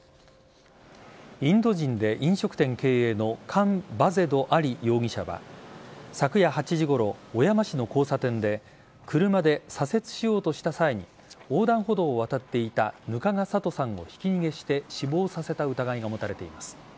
インド人で飲食店経営のカン・バゼド・アリ容疑者は昨夜８時ごろ、小山市の交差点で車で左折しようとした際に横断歩道を渡っていた額賀サトさんをひき逃げして死亡させた疑いが持たれています。